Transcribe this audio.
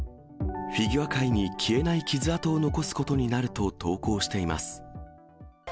フィギュア界に消えない傷痕を残すことになると投稿しています。